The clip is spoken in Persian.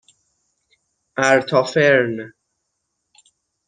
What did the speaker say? اَرتافرن